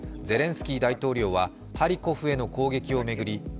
ゼレンスキー大統領はハリコフへの攻撃を巡り